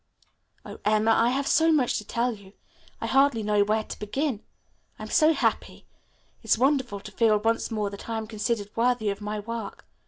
"Oh, Emma, I have so much to tell you. I hardly know where to begin. I'm so happy. It's wonderful to feel once more that I am considered worthy of my work.